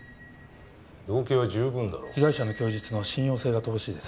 動機は十分だろう被害者の供述の信用性が乏しいです